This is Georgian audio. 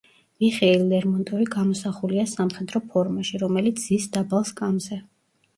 მიხეილ ლერმონტოვი გამოსახულია სამხედრო ფორმაში, რომელიც ზის დაბალ სკამზე.